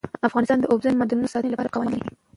افغانستان د اوبزین معدنونه د ساتنې لپاره قوانین لري.